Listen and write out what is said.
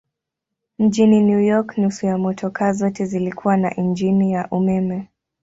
Mjini New York nusu ya motokaa zote zilikuwa na injini ya umeme.